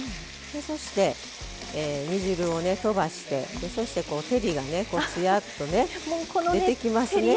そして煮汁をねとばしてそして照りがねつやっとね出てきますね。